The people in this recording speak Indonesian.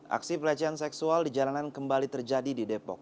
aksi pelecehan seksual di jalanan kembali terjadi di depok